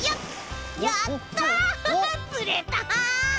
やった！つれた！